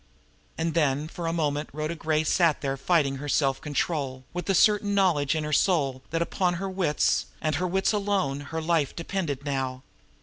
And then for a moment Rhoda Gray sat there fighting for her self control, with the certain knowledge in her soul that upon her wits, and her wits alone, her life depended now.